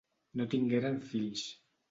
No tingueren fills.